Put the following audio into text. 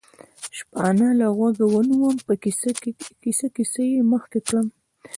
شپانه له غوږه ونیوم، په کیسه کیسه یې مخکې کړم.